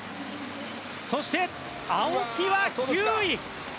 そして、青木は９位。